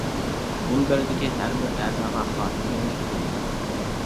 مۇنبەردىكى ھەر بىر ئەزاغا خاتىرجەملىك تىلەيمەن!